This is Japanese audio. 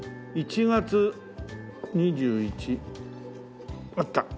１月２１あった！